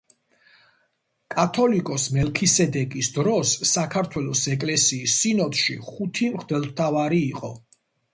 კათოლიკოს მელქისედეკის დროს საქართველოს ეკლესიის სინოდში ხუთი მღვდელმთავარი იყო.